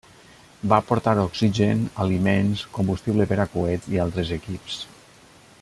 Va portar oxigen, aliments, combustible per a coets i altres equips.